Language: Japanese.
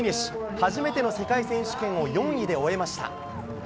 初めての世界選手権を４位で終えました。